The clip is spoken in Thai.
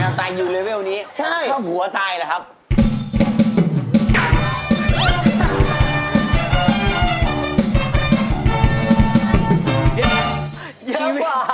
แมวตายอยู่เลเวลนี้หัวหัวตายหรือครับใช่